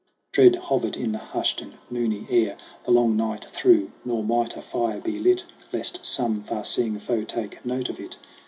Dread hovered in the hushed and moony air The long night through ; nor might a fire be lit, Lest some far seeing foe take note of it.